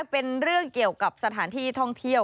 เป็นเรื่องเกี่ยวกับสถานที่ท่องเที่ยว